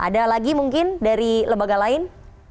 ada lagi mungkin dari lembaga lain